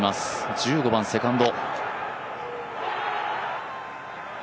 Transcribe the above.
１５番、セカンド。